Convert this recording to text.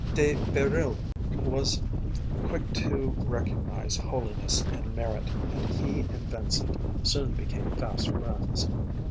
De Bérulle was quick to recognize holiness and merit, and he and Vincent soon became fast friends.